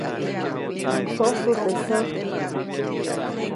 Nä msosu teʼ säjk.